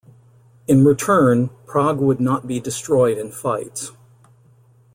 In return, Prague would not be destroyed in fights.